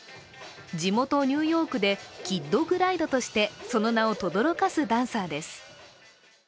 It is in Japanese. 地元ニューヨークで、キッド・グライドとしてその名をとどろかすダンサーです。